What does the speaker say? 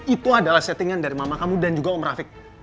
itu adalah settingan dari mama kamu dan juga om rafiq